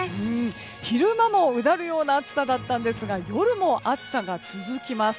昼間もうだるような暑さだったんですが夜も暑さが続きます。